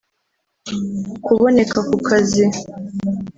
kuboneka ku kazi